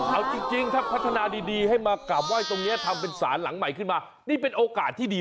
เอาจริงถ้าพัฒนาดีให้มากราบไหว้ตรงนี้ทำเป็นสารหลังใหม่ขึ้นมานี่เป็นโอกาสที่ดี